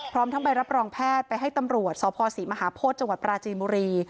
พร้อมทั้งใบรับรองแพทย์ไปให้ตำรวจสภศรีมหาโพธิจังหวัดปราจีนบุรี